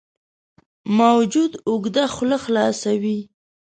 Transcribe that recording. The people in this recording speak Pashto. موجود اوږده خوله خلاصه وه.